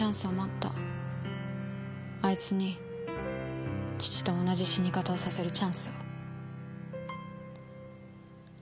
あいつに父と同じ死に方をさせるチャンスを。